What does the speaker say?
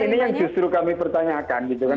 ini yang justru kami pertanyakan gitu kan